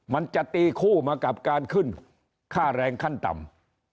มันจะตีคู่มากับการขึ้นค่าแรงขั้นต่ำ